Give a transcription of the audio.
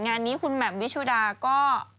งานนี้คุณแหม่มวิชุดาก็